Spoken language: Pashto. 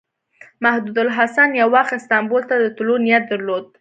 محمود الحسن یو وخت استانبول ته د تللو نیت درلود.